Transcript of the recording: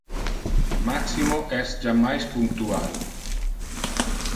Maximo es jammais punctual.